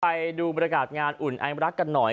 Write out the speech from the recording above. ไปดูบริการงานอุ่นไอลักษณ์กันหน่อย